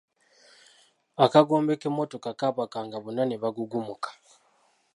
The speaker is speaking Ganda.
Akagombe k'emmotoka kaabakanga bonna ne bagugumuka.